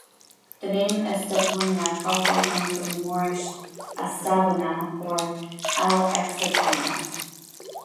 The name 'Estepona' probably comes from the Moorish "Astabbuna" or "Al-extebunna.